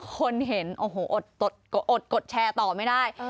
คนเห็นโอ้โหอดกดแชร์ต่อไม่ได้